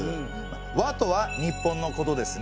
委とは日本のことですね。